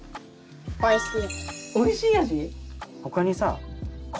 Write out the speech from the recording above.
おいしい味？